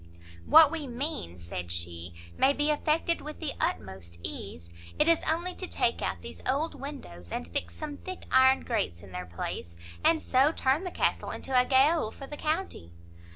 "What we mean," said she, "may be effected with the utmost ease; it is only to take out these old windows, and fix some thick iron grates in their place, and so turn the castle into a gaol for the county."